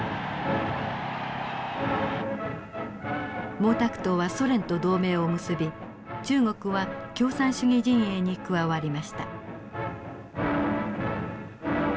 毛沢東はソ連と同盟を結び中国は共産主義陣営に加わりました。